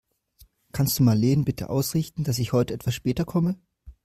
Kannst du Marleen bitte ausrichten, dass ich heute etwas später komme?